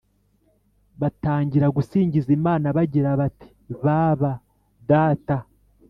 batangira gusingiza Imana bagira bati baba data